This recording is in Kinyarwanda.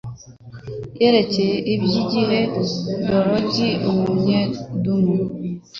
Yerekeye iby’igihe Dowegi Umunyedomu